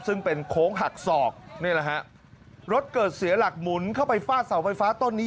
ซึ่งเป็นโค้งหักศอกนี่แหละฮะรถเกิดเสียหลักหมุนเข้าไปฟาดเสาไฟฟ้าต้นนี้